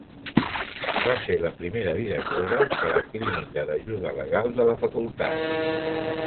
Va ser la primera directora de la Clínica d'Ajuda Legal de la Facultat.